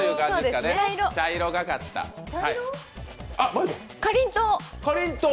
かりんとう！